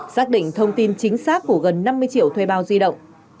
xác định thông tin chính xác của gần năm mươi triệu thuê bao di động